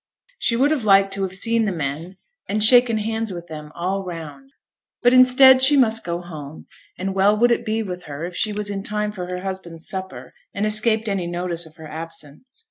She would have liked to have seen the men, and shaken hands with them all round. But instead she must go home, and well would it be with her if she was in time for her husband's supper, and escaped any notice of her absence.